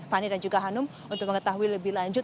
fani dan juga hanum untuk mengetahui lebih lanjut